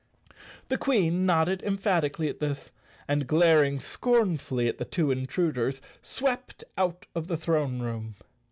" The Queen nodded emphatically at this and, glaring scornfully at the two intruders, swept out of the throne room.